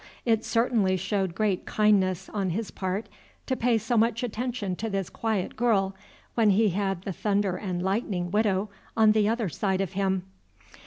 It certainly showed great kindness, on his part, to pay so much attention to this quiet girl, when he had the thunder and lightning Widow on the other side of him.